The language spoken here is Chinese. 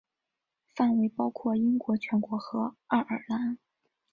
范围包括英国全国和爱尔兰。